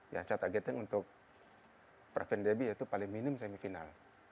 yang saya targetin untuk pak vin dan debbie itu paling minim semifinal